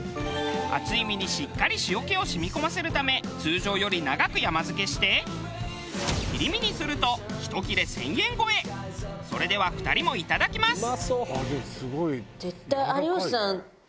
厚い身にしっかり塩気を染み込ませるため通常より長く山漬けして切り身にするとそれでは２人もいただきます。